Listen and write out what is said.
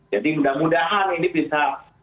jadi mudah mudahan ini bisa